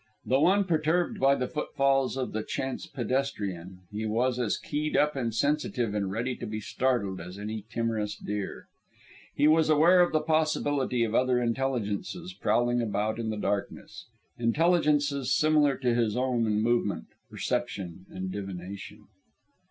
Though unperturbed by the footfalls of the chance pedestrian, he was as keyed up and sensitive and ready to be startled as any timorous deer. He was aware of the possibility of other intelligences prowling about in the darkness intelligences similar to his own in movement, perception, and divination.